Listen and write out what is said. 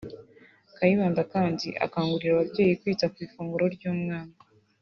Kayibanda kandi akangurira ababyeyi kwita ku ifunguro ry’umwana